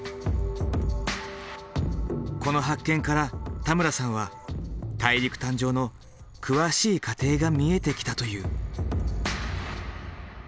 この発見から田村さんは大陸誕生の詳しい過程が見えてきたという。